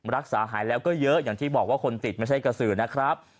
รักษาหายแล้วก็เยอะอย่างที่บอกว่าคนติดไม่ใช่กระสือนะครับ